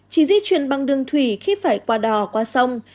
chỉ di chuyển bằng đường thủy khi phải qua đò qua sông